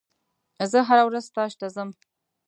زه هره ورځ ستاژ ته ځم.